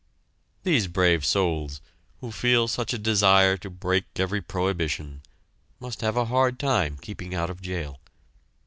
These brave souls, who feel such a desire to break every prohibition, must have a hard time keeping out of jail.